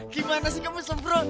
gimana sih kamu sempro